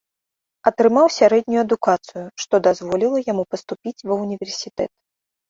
Атрымаў сярэднюю адукацыю, што дазволіла яму паступіць ва ўніверсітэт.